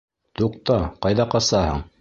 Туҡта, ҡайҙа ҡасаһың?